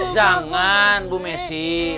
jangan bu messi